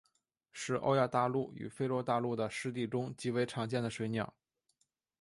是欧亚大陆与非洲大陆的湿地中极为常见的水鸟。